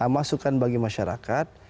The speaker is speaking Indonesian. masukan bagi masyarakat